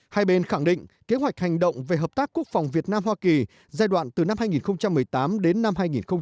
hai bên khẳng định kế hoạch hành động về hợp tác quốc phòng việt nam hoa kỳ giai đoạn từ năm hai nghìn một mươi tám đến năm hai nghìn hai mươi